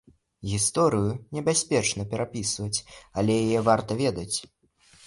Гісторыю небяспечна перапісваць, але яе варта ведаць.